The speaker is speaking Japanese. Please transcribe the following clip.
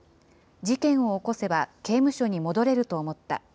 事件を起こせば刑務所に戻れると思った。